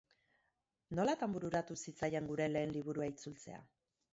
Nolatan bururatu zitzaien gure lehen liburua itzultzea?